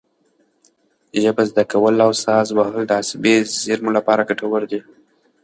ژبه زده کول او ساز وهل د عصبي زېرمو لپاره ګټور دي.